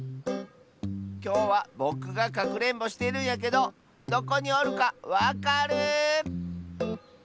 きょうはぼくがかくれんぼしてるんやけどどこにおるかわかる？